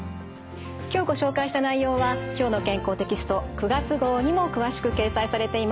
今日ご紹介した内容は「きょうの健康」テキスト９月号にも詳しく掲載されています。